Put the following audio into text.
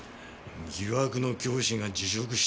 疑惑の教師が辞職したんだ。